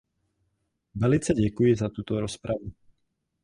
Velice děkuji za tuto rozpravu.